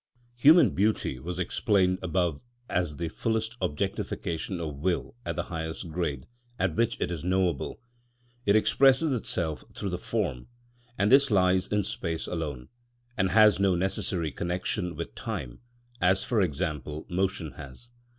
Human beauty was explained above as the fullest objectification of will at the highest grade at which it is knowable. It expresses itself through the form; and this lies in space alone, and has no necessary connection with time, as, for example, motion has.